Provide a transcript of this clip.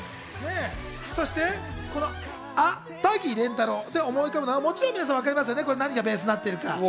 そして、この「あ、たぎれんたろう」で思い浮かぶのはもちろん皆さん分かりますよね、何がベースになっているのか？